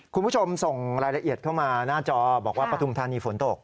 คุณผู้ชมส่งรายละเอียดเข้ามาหน้าจอบอกว่าปฐุมธานีฝนตก